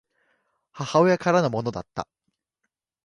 母親からのものだった